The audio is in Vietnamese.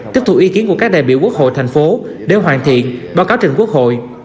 tiếp tục ý kiến của các đại biểu quốc hội thành phố để hoàn thiện báo cáo trình quốc hội